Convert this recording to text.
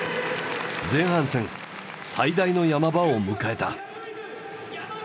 前半戦最大の山場を迎えた。